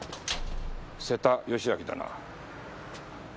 瀬田義明だな？